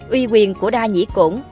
uy quyền của đa nhĩ cổn